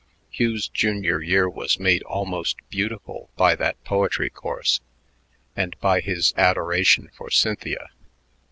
Hugh's junior year was made almost beautiful by that poetry course and by his adoration for Cynthia.